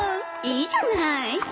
いいじゃない